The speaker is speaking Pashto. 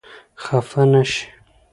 خفه نه شئ !